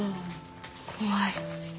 怖い。